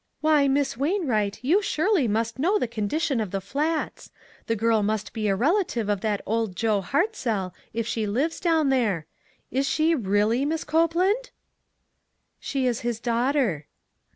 Why, Miss Wainwright, you surely know the condition of the Flats; the girl must be a relative of that Old Joe Hartzell if she lives down there. Is she really, Miss Copeland?" " She is his daughter."